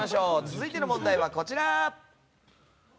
続いての問題はこちら。